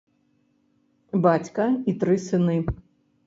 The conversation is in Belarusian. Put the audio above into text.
Бацька і тры сыны.